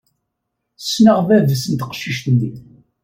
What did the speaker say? Sneɣ bab-s n teqcict-nni.